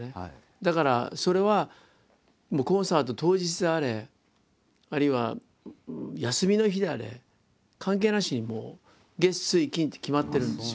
だからそれはコンサート当日であれあるいは休みの日であれ関係なしにもう月水金って決まってるんですよ